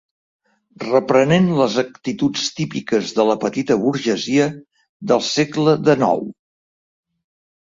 Reprenent les actituds típiques de la petita burgesia del segle dènou.